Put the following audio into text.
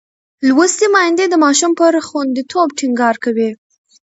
لوستې میندې د ماشوم پر خوندیتوب ټینګار کوي.